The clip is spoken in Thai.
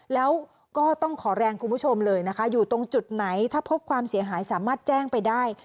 แล้วก็ต้องขอแรงคุณผู้ชมเลยนะคะอยู่ตรงจุดไหนถ้าพบความเสียหายสามารถแจ้งไปได้